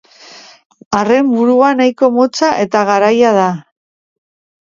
Arren burua nahiko motza eta garaia da.